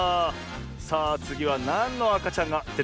さあつぎはなんのあかちゃんがでてくるんでしょうねえ。